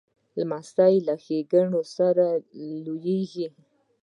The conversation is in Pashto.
لمسی له ښېګڼو سره لویېږي.